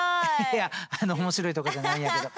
いやあの面白いとかじゃないんやけど。